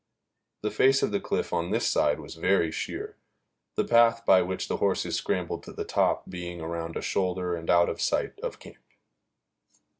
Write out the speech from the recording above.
The face of the cliff on this side was very sheer, the path by which the horses scrambled to the top being around a shoulder and out of sight of camp.